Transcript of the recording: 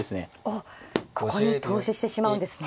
おっここに投資してしまうんですね。